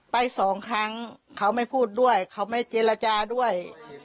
สองครั้งเขาไม่พูดด้วยเขาไม่เจรจาด้วย